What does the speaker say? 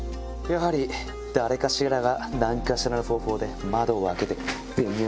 やはり誰かしらが何かしらの方法で。